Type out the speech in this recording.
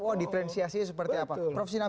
oh diferensiasinya seperti apa